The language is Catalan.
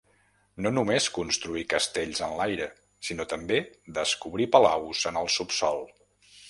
No només construir castells en l'aire, sinó també descobrir palaus en el subsòl.